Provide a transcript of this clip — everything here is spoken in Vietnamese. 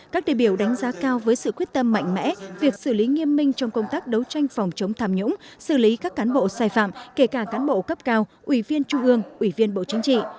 các đề biểu đánh giá cao với sự quyết tâm mạnh mẽ việc xử lý nghiêm minh trong công tác đấu tranh phòng chống tham nhũng xử lý các cán bộ sai phạm kể cả cán bộ cấp cao ủy viên trung ương ủy viên bộ chính trị